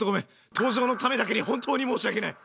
登場のためだけに本当に申し訳ない。